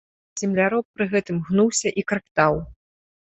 Земляроб пры гэтым гнуўся і крактаў.